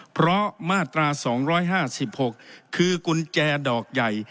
เพราะมาตรา๒๕๖คือกุญแจดอกใหญ่